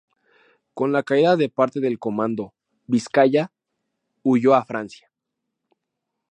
Con la caída de parte del comando Vizcaya huyó a Francia.